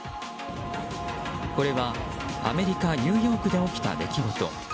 これはアメリカ・ニューヨークで起きた出来事。